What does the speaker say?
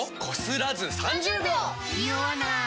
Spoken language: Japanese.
ニオわない！